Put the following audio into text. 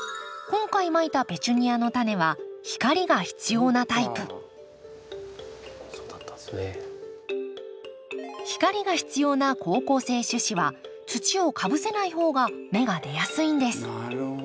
今回まいたペチュニアのタネは光が必要なタイプ光が必要な好光性種子は土をかぶせない方が芽が出やすいんです。